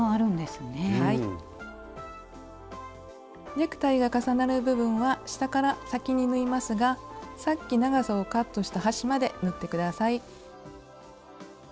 ネクタイが重なる部分は下から先に縫いますがさっき長さをカットした端まで縫って下さい。